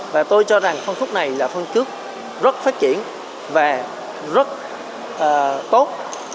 và tôi cho rằng phong khúc này là phong khúc rất phát triển và rất tốt